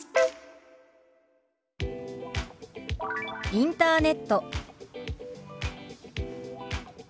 「インターネット」。